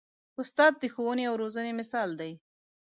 استاد د ښوونې او روزنې مثال دی.